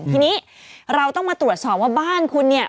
ทีนี้เราต้องมาตรวจสอบว่าบ้านคุณเนี่ย